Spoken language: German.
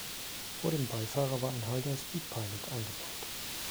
Vor dem Beifahrer war ein Halda Speed-Pilot eingebaut.